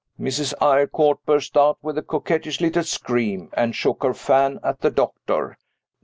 Mrs. Eyrecourt burst out with a coquettish little scream, and shook her fan at the doctor.